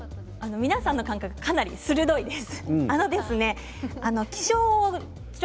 皆さんの感覚、鋭いです。